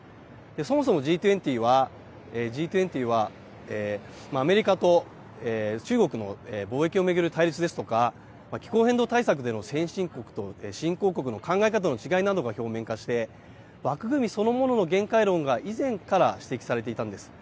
そもそもＧ２０は、アメリカと中国の貿易を巡る対立ですとか、気候変動対策での先進国と新興国の考え方の違いなどが表面化して、枠組みそのものの限界論が、以前から指摘されていたんです。